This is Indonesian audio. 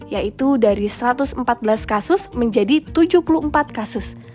yaitu dari satu ratus empat belas kasus menjadi tujuh puluh empat kasus